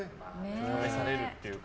試されるっていうか。